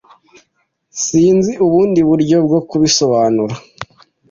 Sinzi ubundi buryo bwo kubisobanura.